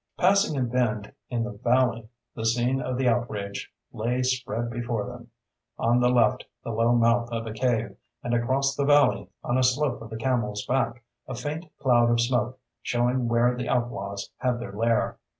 Passing a bend in the valley, the scene of the outrage lay spread before them: On the left the low mouth of a cave, and across the valley, on a slope of the Camel's Back, a faint cloud of smoke, showing where the outlaws had their lair.